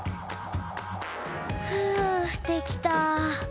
ふうできた。